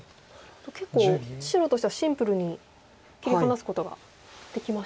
結構白としてはシンプルに切り離すことができましたか。